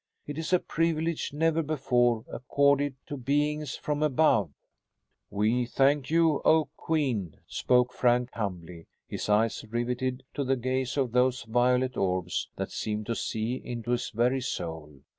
It is a privilege never before accorded to beings from above." "We thank you, oh, Queen," spoke Frank humbly, his eyes rivetted to the gaze of those violet orbs that seemed to see into his very soul.